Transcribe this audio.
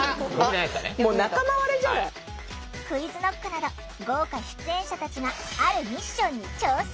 ＱｕｉｚＫｎｏｃｋなど豪華出演者たちがあるミッションに挑戦！